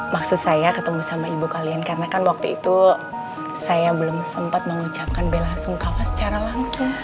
maksud saya ketemu sama ibu kalian karena kan waktu itu saya belum sempat mengucapkan bela sungkawa secara langsung